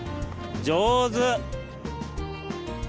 上手。